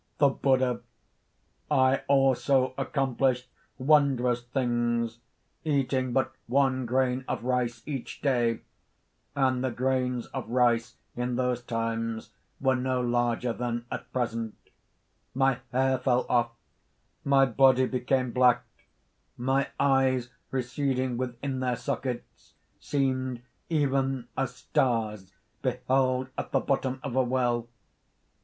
THE BUDDHA. "I also accomplished wondrous things, eating but one grain of rice each day (and the grains of rice in those times were no larger than at present) my hair fell off; my body became black; my eyes receding within their sockets, seemed even as stars beheld at the bottom of a well.